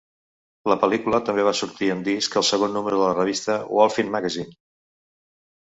La pel·lícula també va sortir en disc al segon número de la revista "Wholphin Magazine".